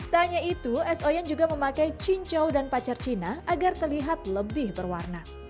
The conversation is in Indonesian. tak hanya itu es oyen juga memakai cincau dan pacar cina agar terlihat lebih berwarna